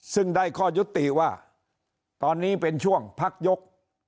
ซึ่งได้ข้อยุติว่าตอนนี้เป็นช่วงพักยก